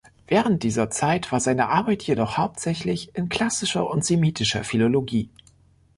Während dieser Zeit war seine Arbeit jedoch hauptsächlich in klassischer und semitischer Philologie.